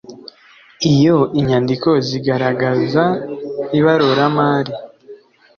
Iyo inyandiko zigaragaza ibaruramari